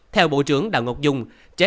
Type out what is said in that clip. theo bộ trưởng đào ngọc dung